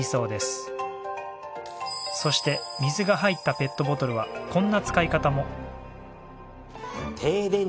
そして水が入ったペットボトルはこんな使い方も。